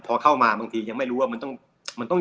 นะครับพอเข้ามาบางทียังไม่รู้ว่ามันต้องมันต้อง